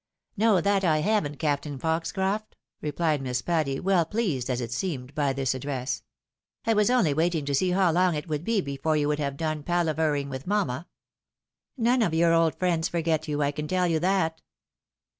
" No, that I havn't. Captain Foxcroft," rephed Miss Patty, well pleased, as it seemed, by this address ; "I was only waiting to see how long it would be before you would have done palaver ing with mamma. None of your old friends forget you, I can tell you that."